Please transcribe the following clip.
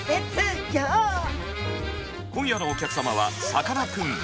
今夜のお客様はさかなクン。